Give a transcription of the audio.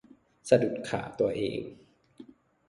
สะดุดขาตัวเอง